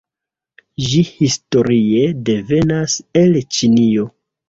Ĝi historie devenas el Ĉinio.